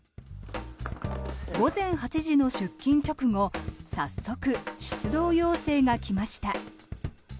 午前８時の出勤直後早速、出動要請が来ました。